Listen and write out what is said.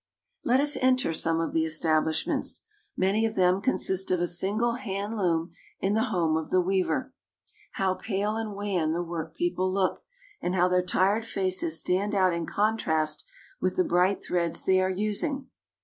Let us enter some of the establishments. Many of them consist of a single hand loom in the home of the weaver. How pale and wan the workpeople look, and how their tired faces stand out in contrast with the bright threads they are using.